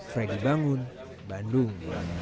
fredy bangun bandung